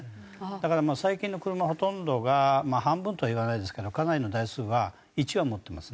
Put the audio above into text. だから最近の車ほとんどがまあ半分とは言わないですけどかなりの台数は１は持ってますね。